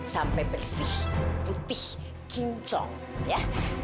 sampai bersih putih kincong ya